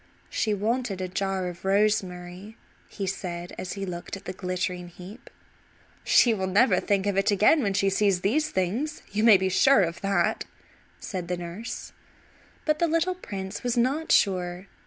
"She wanted a jar of rosemary," he said as he looked at the glittering heap. "She will never think of it again when she sees these things. You may be sure of that," said the nurse. But the little prince was not sure.